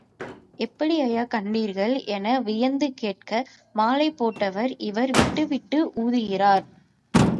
எப்படி ஐயா கண்டீர்கள் — என வியந்து கேட்க மாலை போட்டவர், இவர் விட்டுவிட்டு ஊதுகிறார்?